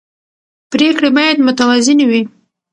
پرېکړې باید متوازنې وي